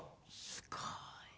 すごい！